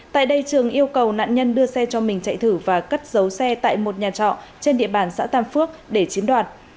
tại đây trường yêu cầu nạn nhân đưa xe cho mình chạy thử và cất giấu xe tại một nhà trọ trên địa bàn xã tam phước để chiếm đoạt